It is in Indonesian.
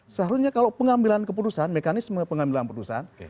seharusnya kalau pengambilan keputusan mekanisme pengambilan keputusan